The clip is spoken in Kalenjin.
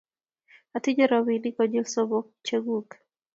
Atinye robinik konyil somok cheguuk